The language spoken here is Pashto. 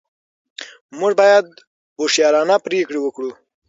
موږ باید هوښیارانه پرېکړې وکړو.